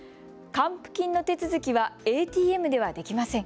還付金の手続きはＡＴＭではできません。